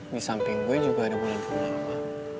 di samping gue juga ada bulan purnama